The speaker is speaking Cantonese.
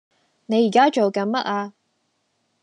你宜家做緊乜呀？